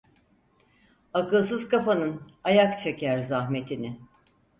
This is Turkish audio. Akılsız kafanın, ayak çeker zahmetini…